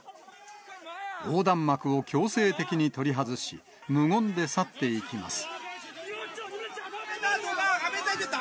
横断幕を強制的に取り外し、無言で去っていきます。